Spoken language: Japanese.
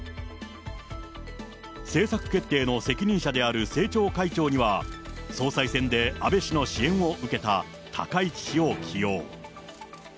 政策決定の責任者である政調会長には、総裁選で安倍氏の支援を受けた高市氏を起用。